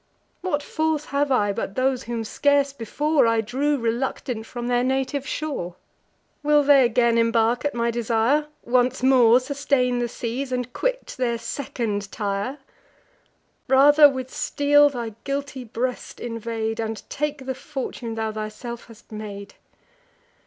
What force have I but those whom scarce before I drew reluctant from their native shore? Will they again embark at my desire, Once more sustain the seas, and quit their second Tyre? Rather with steel thy guilty breast invade, And take the fortune thou thyself hast made.